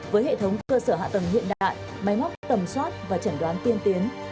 với hệ thống cơ sở hạ tầng hiện đại máy móc tầm soát và chẩn đoán tiên tiến